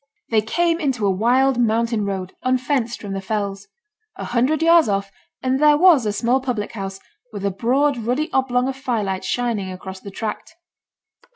They came into a wild mountain road, unfenced from the fells. A hundred yards off, and there was a small public house, with a broad ruddy oblong of firelight shining across the tract.